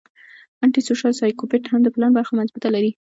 انټي سوشل سايکوپېت هم د پلان برخه مضبوطه لري